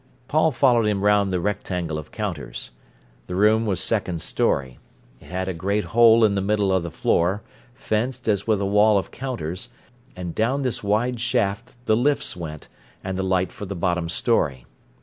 Paul followed him round the rectangle of counters. The room was second storey. It had a great hole in the middle of the floor, fenced as with a wall of counters, and down this wide shaft the lifts went, and the light for the bottom storey.